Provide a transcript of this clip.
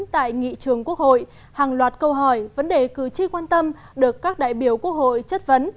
tại nghị trường quốc hội hàng loạt câu hỏi vấn đề cử tri quan tâm được các đại biểu quốc hội chất vấn